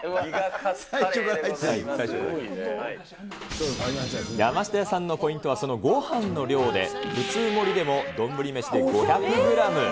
カツカレーでござい山下家さんのポイントはそのごはんの量で、普通盛りでもどんぶり飯で５００グラム。